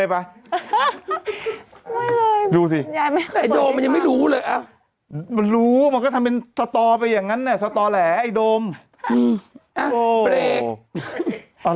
พี่โดมบอกว่าอยู่กับคุณยายปรุงจักรปะ